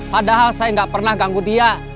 padahal saya nggak pernah ganggu dia